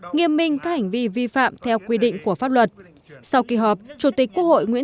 nghiêm minh các hành vi vi phạm theo quy định của pháp luật sau kỳ họp chủ tịch quốc hội nguyễn